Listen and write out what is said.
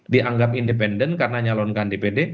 dianggap independen karena nyalonkan dpd